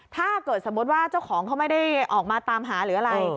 ถ้าเกิดสมมุติว่าเจ้าของเขาไม่ได้ออกมาตามหาหรืออะไร